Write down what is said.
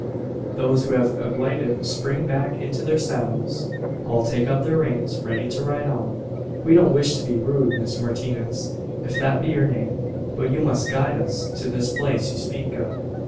Those who have alighted spring back into their saddles. All take up their reins, ready to ride on. "We don't wish to be rude, Miss Martinez if that be your name; but you must guide us to this place you speak of."